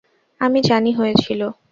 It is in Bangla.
আমি জানি হয়েছিল।